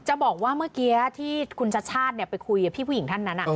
จะบอกว่าเมื่อกี้ที่คุณชัดชาติไปคุยกับพี่ผู้หญิงท่านนั้น